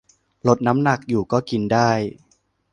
ลดน้ำหนักอยู่ก็กินได้